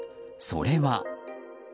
それは。